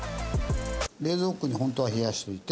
冷蔵庫に本当は冷やしといて。